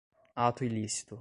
ato ilícito